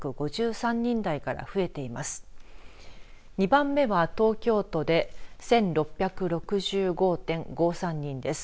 ２番目は東京都で１６６５．５３人です。